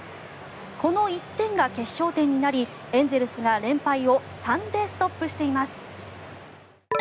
この１点が決勝点になりエンゼルスが連敗を３でストップしています。